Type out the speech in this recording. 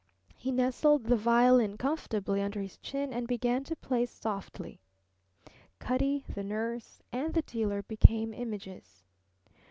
He nestled the violin comfortably under his chin and began to play softly. Cutty, the nurse, and the dealer became images.